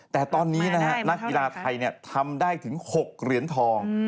แต่ตอนนี้นะฮะนักกีฬาไทยทำได้ถึง๖เหรียญทอง